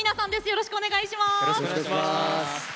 よろしくお願いします！